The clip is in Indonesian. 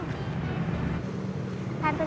gila ini udah berhasil